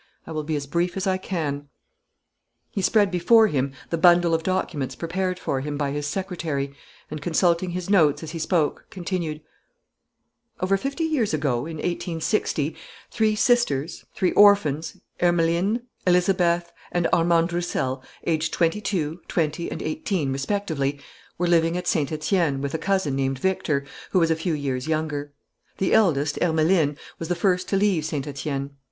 I will be as brief as I can." He spread before him the bundle of documents prepared for him by his secretary and, consulting his notes as he spoke, continued: "Over fifty years ago, in 1860, three sisters, three orphans, Ermeline, Elizabeth, and Armande Roussel, aged twenty two, twenty, and eighteen respectively, were living at Saint Etienne with a cousin named Victor, who was a few years younger. The eldest, Ermeline, was the first to leave Saint Etienne.